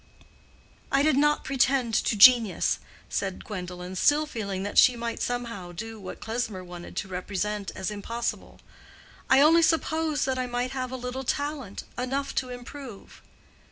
"I did not pretend to genius," said Gwendolen, still feeling that she might somehow do what Klesmer wanted to represent as impossible. "I only suppose that I might have a little talent—enough to improve."